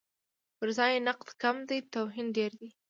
پرځای نقد کم دی، توهین ډېر دی.